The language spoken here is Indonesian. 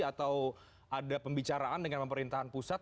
atau ada pembicaraan dengan pemerintahan pusat